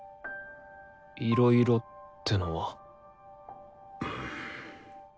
「いろいろ」ってのは？